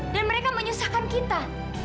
dan mereka menyusahkan kita